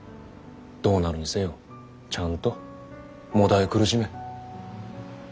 どうなるにせよちゃんともだえ苦しめ。